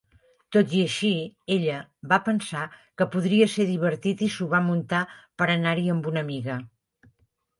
Tot i així, ella va pensar que podria ser divertit i s'ho va muntar per anar-hi amb una amiga.